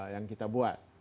yang kita buat